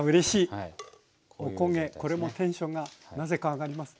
これもテンションがなぜか上がります。